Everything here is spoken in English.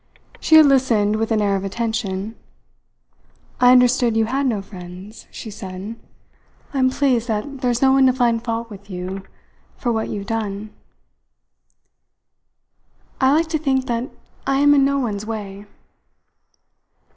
She had listened with an air of attention. "I understood you had no friends," she said. "I am pleased that there's nobody to find fault with you for what you have done. I like to think that I am in no one's way."